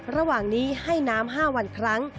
ระหว่างนี้ให้น้ำ๕วันครั้ง